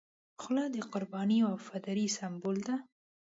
خولۍ د قربانۍ او وفادارۍ سمبول ده.